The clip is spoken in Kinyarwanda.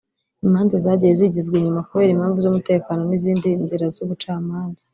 imanza zagiye zigizwa inyuma kubera impamvu z’umutekano n’izindi nzira z’ubucamanza